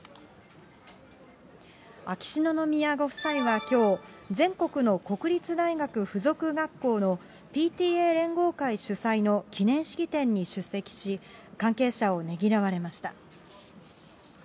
秋篠宮ご夫妻はきょう、全国の国立大学附属学校のＰＴＡ連合会主催の記念式典に出席し、関係者をねぎらわれました。